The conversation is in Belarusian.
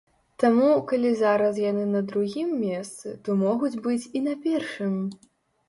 Таму, калі зараз яны на другім месцы, то могуць быць і на першым!